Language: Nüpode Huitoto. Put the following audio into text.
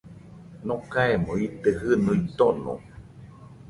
Nokaemo ite jɨnuo tono